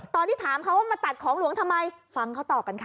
ตอนที่ถามเขาว่ามาตัดของหลวงทำไมฟังเขาตอบกันค่ะ